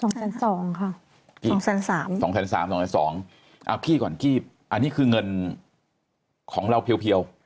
๒แสนสองค่ะ๒แสนสาม๒แสนสาม๒แสนสองพี่ก่อนกี้อันนี้คือเงินของเราเพียว